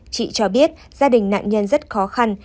chị cho biết gia đình nạn nhân rất khó khăn